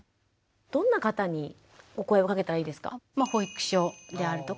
どんな方にお声をかけたらいいですか？